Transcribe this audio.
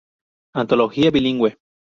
Antología Bilingüe;".